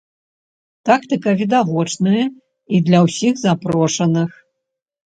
Тактыка відавочная і для ўсіх запрошаных.